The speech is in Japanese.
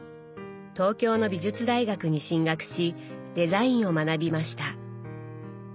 東京の美術大学に進学しデザインを学びました。